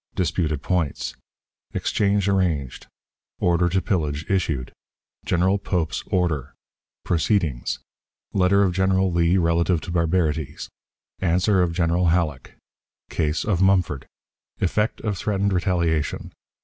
Disputed Points. Exchange arranged. Order to pillage issued. General Pope's Order. Proceedings. Letter of General Lee relative to Barbarities. Answer of General Halleck. Case of Mumford. Effect of Threatened Retaliation.